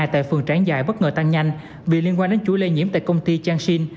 tại phường tráng dài bất ngờ tăng nhanh vì liên quan đến chuỗi lây nhiễm tại công ty changshin